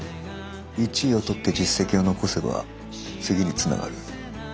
１位を取って実績を残せば次につながる。